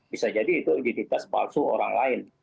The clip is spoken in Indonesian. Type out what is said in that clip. bisa jadi itu identitas palsu orang lain